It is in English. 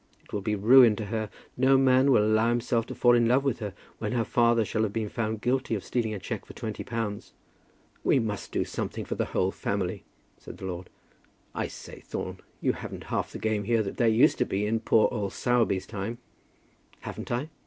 It will be ruin to her. No man will allow himself to fall in love with her when her father shall have been found guilty of stealing a cheque for twenty pounds." "We must do something for the whole family," said the lord. "I say, Thorne, you haven't half the game here that there used to be in poor old Sowerby's time." "Haven't I?"